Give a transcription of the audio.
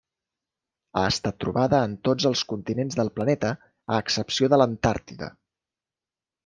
Ha estat trobada en tots els continents del planeta a excepció de l'Antàrtida.